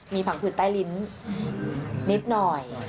มีผังผืดใต้ลิ้นนิดหน่อย